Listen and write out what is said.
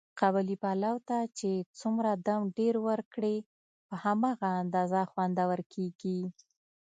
قابلي پلو ته چې څومره دم ډېر ور کړې، په هماغه اندازه خوندور کېږي.